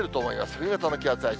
冬型の気圧配置。